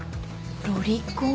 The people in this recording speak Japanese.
ロリコン？